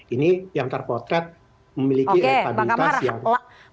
ini yang terpotret memiliki elektabilitas yang